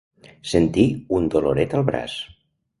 Sentir un doloret al braç.